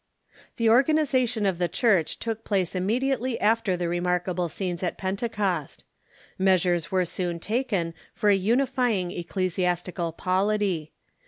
The organization of the Church took place immediately af ter the remarkable scenes at Pentecost. Measures were soon taken for a unifying ecclesiastical polity.